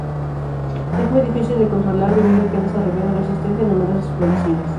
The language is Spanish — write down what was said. Es muy difícil de controlar debido a que ha desarrollado resistencia a numerosos plaguicidas.